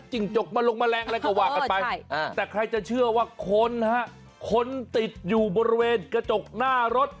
จกมาลงแมลงอะไรก็ว่ากันไปแต่ใครจะเชื่อว่าคนฮะคนคนติดอยู่บริเวณกระจกหน้ารถ